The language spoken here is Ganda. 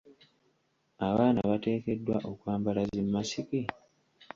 Abaana bateekeddwa okwambala zi masiki?